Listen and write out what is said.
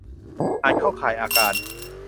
อาจเข้าข่ายอาการ